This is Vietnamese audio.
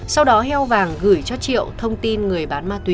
sau đó heo vàng gửi cho triệu thông tin người bán ma túy